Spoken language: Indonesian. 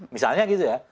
misalnya gitu ya